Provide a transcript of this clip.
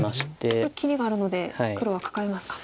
これ切りがあるので黒はカカえますか。